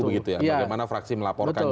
bagaimana fraksi melaporkannya